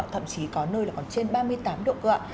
thậm chí có nơi là còn trên ba mươi tám độ cơ ạ